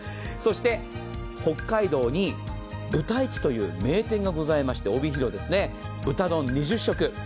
そして、北海道の帯広に、ぶたいちという名店がございまして、豚丼２０食。